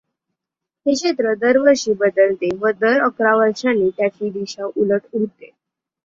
हे क्षेत्र दर वर्षी बदलते व दर अकरा वर्षांनी त्याची दिशा उलट होते.